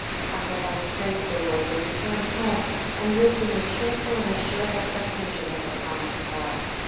10 After having praised the Lord, they returned home, and lived in a cheerful and assured expectation of the promise of God.